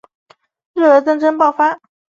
日俄战争爆发